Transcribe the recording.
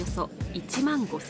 １万５０００